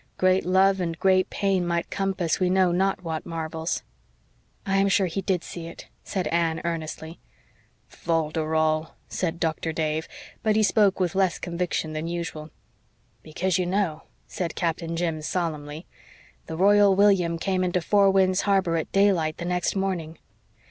"Great love and great pain might compass we know not what marvels." "I am sure he did see it," said Anne earnestly. "Fol de rol," said Doctor Dave, but he spoke with less conviction than usual. "Because, you know," said Captain Jim solemnly, "the Royal William came into Four Winds Harbor at daylight the next morning.